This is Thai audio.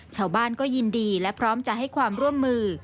ชาวบ้านก็ยินดีและพร้อมจะให้ความร่วมมือ